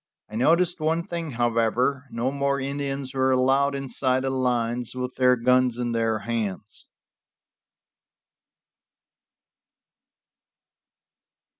I noticed one thing, however; no more Indians were allowed inside the lines with their guns in their hands.